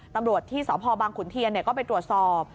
ตำรวจที่สพบางขุนเทียนก็ไปตรวจสอบ